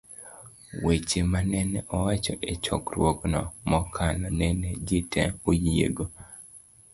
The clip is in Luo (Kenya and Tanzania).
Weche manene owach e Chokruogno mokalo nene jite oyiego